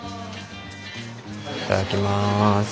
いただきます。